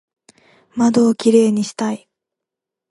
窓をキレイにしたい